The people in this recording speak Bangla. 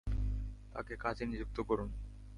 তাকে কাজে নিযুক্ত করুন।